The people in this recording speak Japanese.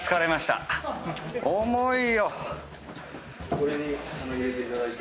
これに入れていただいて。